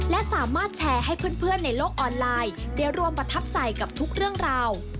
และสามารถแชร์ให้เพื่อนในโลกออนไลน์ได้ร่วมประทับใจกับทุกเรื่องราว